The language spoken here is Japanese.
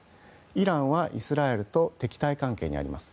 イランは、イスラエルと敵対関係にあります。